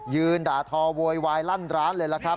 ด่าทอโวยวายลั่นร้านเลยล่ะครับ